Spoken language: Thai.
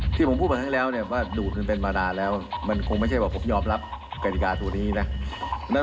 จีนนักการเมืองสมัครใจกันอีกหรือเปล่า